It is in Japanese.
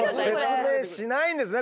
説明しないんですね